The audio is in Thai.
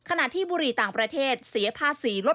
ขณะที่บุหรี่ต่างประเทศเสียภาษีลด